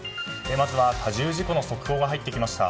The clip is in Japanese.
まずは多重事故の速報が入ってきました。